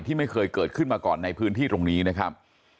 ไม่เคยเกิดขึ้นมาก่อนในพื้นที่ตรงนี้นะครับ